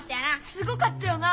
すごかったよな